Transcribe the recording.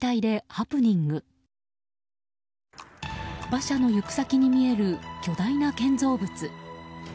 馬車の行く先に見える巨大な建造物。